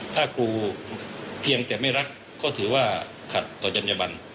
ถ้าครูเพียงแต่ไม่รักก็ถือว่าขัดต่อจัญญบัน